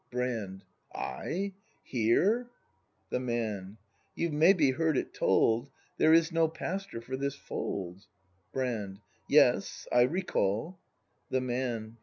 Brand. I? Here! The Man. You've maybe heard it told, There is no pastor for this fold. Brand. Yes; I recall The Man.